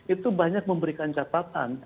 itu banyak memberikan catatan